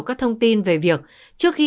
các thông tin về việc trước khi